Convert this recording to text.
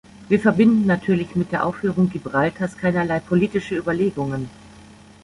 Wir verbinden natürlich mit der Aufführung Gibraltars keinerlei politische Überlegungen.